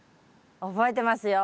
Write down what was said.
覚えてますよ。